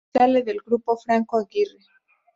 Sale del grupo Franco Aguirre.